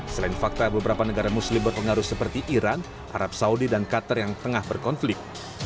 selain fakta beberapa negara muslim berpengaruh seperti iran arab saudi dan qatar yang tengah berkonflik